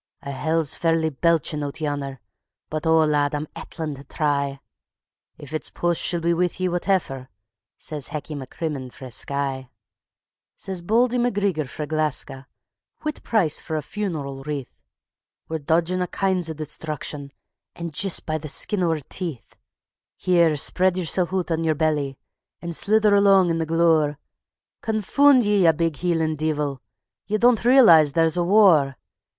A' hell's fairly belchin' oot yonner, but oh, lad, I'm ettlin' tae try. ..." "If it's poose she'll be with ye whateffer," says Hecky MacCrimmon frae Skye. Says Bauldy MacGreegor frae Gleska: "Whit price fur a funeral wreath? We're dodgin' a' kinds o' destruction, an' jist by the skin o' oor teeth. Here, spread yersel oot on yer belly, and slither along in the glaur; Confoond ye, ye big Hielan' deevil! Ye don't realize there's a war.